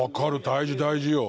大事大事よ。